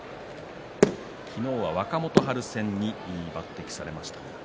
昨日は若元春戦に抜てきされました。